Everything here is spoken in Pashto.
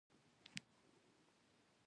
دوی ستونزمنې لانجې حل و فصل کولې.